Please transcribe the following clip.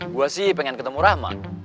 gue sih pengen ketemu rahman